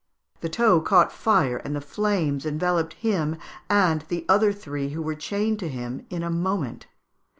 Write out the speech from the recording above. The tow caught fire, and the flames enveloped him and the other three who were chained to him in a moment."